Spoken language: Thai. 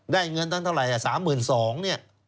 เงินตั้งเท่าไหร่๓๒๐๐เนี่ย